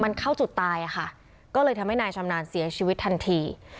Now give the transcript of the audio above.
มันเข้าจุดตายอะค่ะก็เลยทำให้นายชำนาญเสียชีวิตทันที